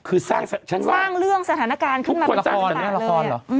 คือสร้างเรื่องสถานการณ์ขึ้นมาทุกประหลาดทุกคนศัตริก